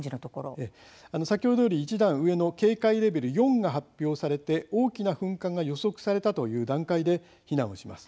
先ほどより１段上の警戒レベル４が発表されて大きな噴火が予測されたという段階で避難をします。